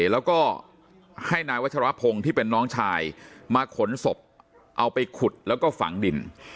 แล้วก็ให้นายวัชรพงศ์ที่เป็นน้องชายมาขนศพเอาไปขุดแล้วก็ฝังดิน